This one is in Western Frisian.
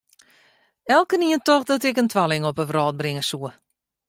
Elkenien tocht dat ik in twilling op 'e wrâld bringe soe.